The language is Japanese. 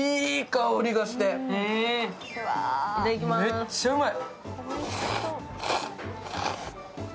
めっちゃうまい！